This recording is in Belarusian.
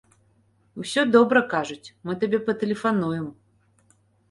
Усё добра, кажуць, мы табе патэлефануем.